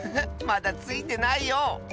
まだついてないよ。